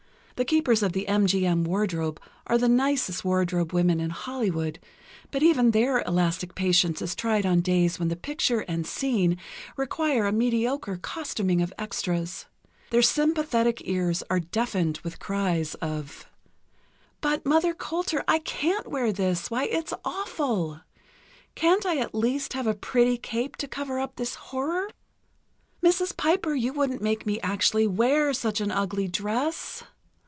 The keepers of the M G M wardrobe are the nicest wardrobe women in Hollywood, but even their elastic patience is tried on days when the picture and scene require a mediocre costuming of extras. Their sympathetic ears are deafened with cries of: "But, Mother Coulter, I can't wear this—why, it's awful! Can't I at least have a pretty cape to cover up this horror?" "Mrs. Piper, you wouldn't make me actually wear such an ugly dress!"